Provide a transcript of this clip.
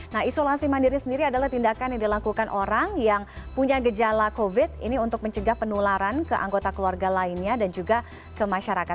nah isolasi mandiri sendiri adalah tindakan yang dilakukan orang yang punya gejala covid ini untuk mencegah penularan ke anggota keluarga lainnya dan juga ke masyarakat